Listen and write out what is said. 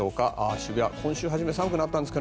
渋谷、今週初め寒くなったんですね。